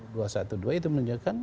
dua satu dua itu menunjukkan